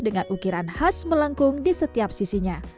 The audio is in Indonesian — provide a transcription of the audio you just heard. dengan ukiran khas melengkung di setiap sisinya